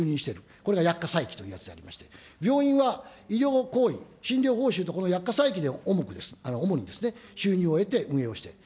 これが薬価差益というやつでありまして、病院は医療行為、診療報酬とこの薬価差益で主に収入を得て運営をしている。